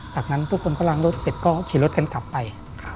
จากนั้นทุกคนก็ล้างรถเสร็จก็ขี่รถกันกลับไป